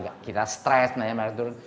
agak kita stres pembelajaran turun